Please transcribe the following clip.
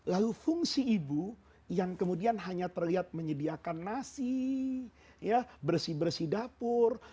lalu fungsi ibu yang kemudian hanya terlihat menyediakan nasi bersih bersih dapur